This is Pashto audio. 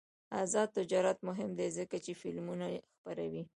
آزاد تجارت مهم دی ځکه چې فلمونه خپروي.